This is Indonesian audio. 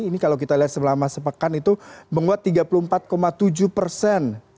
ini kalau kita lihat selama sepekan itu menguat tiga puluh empat tujuh persen